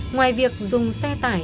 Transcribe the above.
ngoài việc dùng xe tải